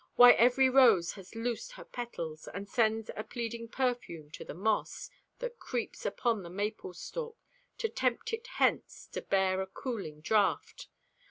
Why, every rose has loosed her petals, And sends a pleading perfume to the moss That creeps upon the maple's stalk, to tempt it hence To bear a cooling draught.